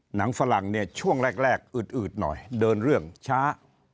ฝรั่งเนี่ยช่วงแรกอืดหน่อยเดินเรื่องช้า